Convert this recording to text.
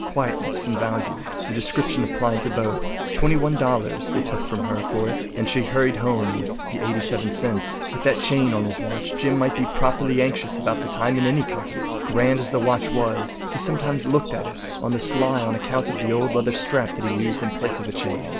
Quietness and value—the description applied to both. Twenty one dollars they took from her for it, and she hurried home with the 87 cents. With that chain on his watch Jim might be properly anxious about the time in any company. Grand as the watch was, he sometimes looked at it on the sly on account of the old leather strap that he used in place of a chain.